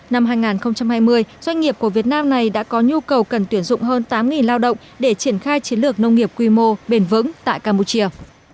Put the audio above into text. năm hai nghìn hai mươi doanh nghiệp của việt nam này đã có nhu cầu cần tuyển dụng hơn tám lao động để triển khai chiến lược nông nghiệp quy mô bền vững tại campuchia